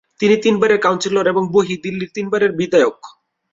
তিনি তিনবারের কাউন্সিলর এবং বহিঃ দিল্লির তিনবারের বিধায়ক।